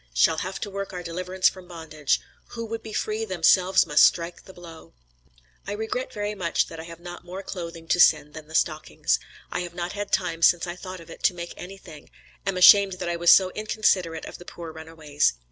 Shall have to work our deliverance from bondage. 'Who would be free, themselves must strike the blow.' "I regret very much that I have not more clothing to send than the stockings. I have not had time since I thought of it, to make anything; am ashamed that I was so inconsiderate of the poor runaways.